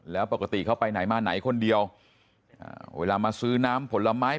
แล้วปกติเขาไปไหนมาไหนคนเดียวเวลามาซื้อน้ำผลไม้